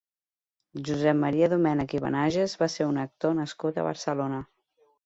Josep Maria Domènech i Benages va ser un actor nascut a Barcelona.